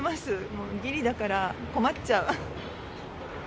もうギリだから困っちゃう。